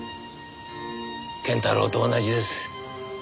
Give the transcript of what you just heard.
謙太郎と同じです。